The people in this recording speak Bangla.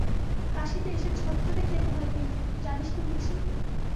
কাশীতে এসে ছত্তরে খেতে হয় কিন্তু, জানিসনে বুঝি!